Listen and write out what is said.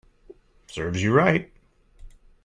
Serves you right